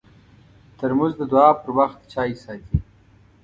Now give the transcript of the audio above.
ترموز د دعا پر وخت چای ساتي.